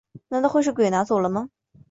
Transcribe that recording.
难道会是鬼拿走了吗